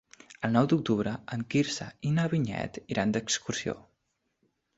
El nou d'octubre en Quirze i na Vinyet iran d'excursió.